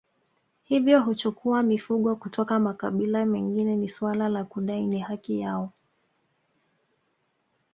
Hivyo huchukua mifugo kutoka makabila mengine ni suala la kudai ni haki yao